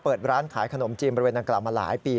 เปิดร้านขายขนมจีนบริเวณดังกล่าวมาหลายปี